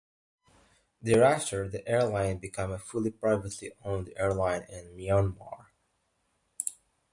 Thereafter, the airline became a fully privately owned airline in Myanmar.